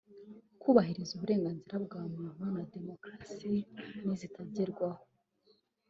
kubahiriza uburenganzira bwa muntu na demokarasi nizitagerwaho